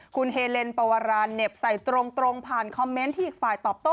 คุณเฮเลนปวราเหน็บใส่ตรงผ่านคอมเมนต์ที่อีกฝ่ายตอบโต้